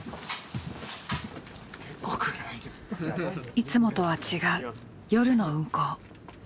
いつもとは違う夜の運行。